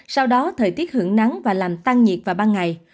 sau đó thời tiết hưởng nắng và làm tăng nhiệt vào ban ngày